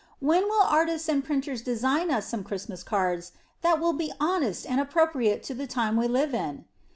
When will artists and printers design us some Christmas cards that will be honest and appropriate to the time we live in?